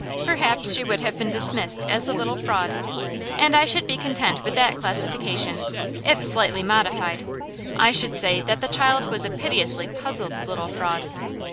Perhaps she would have been dismissed as a little fraud; and I should be content with that classification, if slightly modified. I should say the child was a piteously puzzled little fraud.